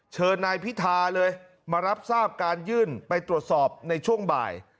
เชิญนายพิธาเลยมารับทราบการยื่นไปตรวจสอบในช่วงบ่าย